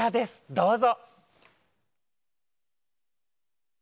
どうぞ。